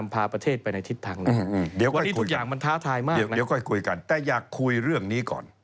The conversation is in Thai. โปรดติดตามต่อไป